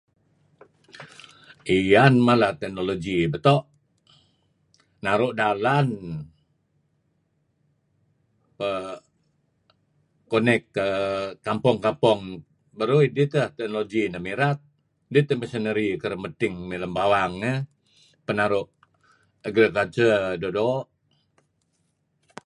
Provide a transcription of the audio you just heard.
Iyan mala technology beto'. Naru' dalan peh connect err kampong-kampong baru teh technology neh mirat, dih teh machinery kereb medting lem bawang eh peh naru' agriculture doo'-doo'